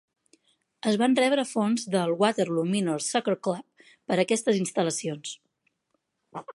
Es van rebre fons del Waterloo Minor Soccer Club per aquestes instal·lacions.